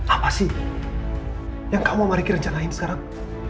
apa sih yang kamu sama riki rencanain sekarang